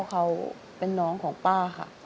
เขาเป็นน้องของป้าค่ะ